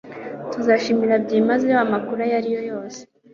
Tuzashimira byimazeyo amakuru ayo ari yo yose